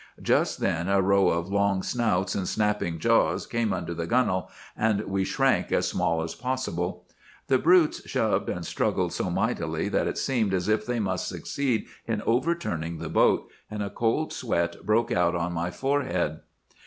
Just then a row of long snouts and snapping jaws came under the gunwale, and we shrank as small as possible. The brutes shoved and struggled so mightily that it seemed as if they must succeed in overturning the boat, and a cold sweat broke out on my forehead.